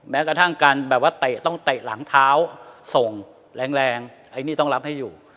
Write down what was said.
แม้กระทั่งการแบบว่าเตะต้องเตะหลังเท้าส่งแรงไอ้นี่ต้องรับให้อยู่